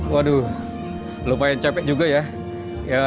waduh lumayan capek juga ya